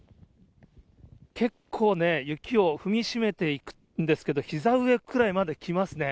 結構ね、雪を踏みしめていくんですけど、ひざ上くらいまで来ますね。